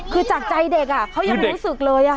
คือจากใจเด็กเขายังรู้สึกเลย